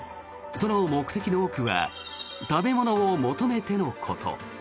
その目的の多くは食べ物を求めてのこと。